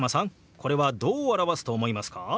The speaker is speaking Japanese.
これはどう表すと思いますか？